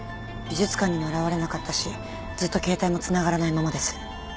美術館にも現れなかったしずっと携帯もつながらないままです。